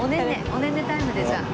おねんねタイムでじゃあ。